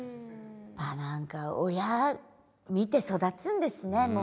何か親見て育つんですね。